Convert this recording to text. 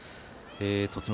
栃ノ